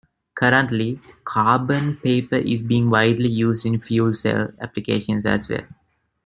Currently, carbon paper is being widely used in fuel cell applications as well.